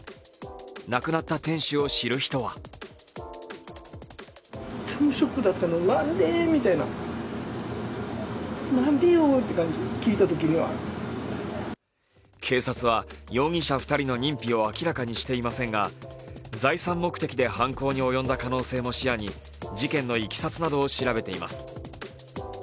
亡くなった店主を知る人は警察は容疑者２人の認否を明らかにしていませんが財産目的で犯行に及んだ可能性も視野に事件のいきさつなどを調べています。